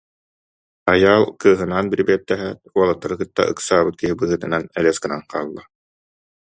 Айаал кыыһынаан бирибиэттэһээт, уолаттары кытта ыксаабыт киһи быһыытынан, элэс гынан хаалла.